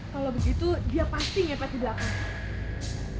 kalau begitu dia pasti ngepet di belakang